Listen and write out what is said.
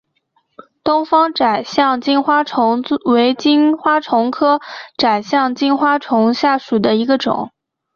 东方窄颈金花虫为金花虫科窄颈金花虫属下的一个种。